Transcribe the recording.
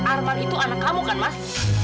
arman itu anak kamu kan mas